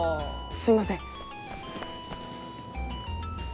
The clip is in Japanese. すいません。